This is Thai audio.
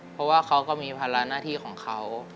เพราะว่าเขาก็มีภาระหน้าที่ของเขา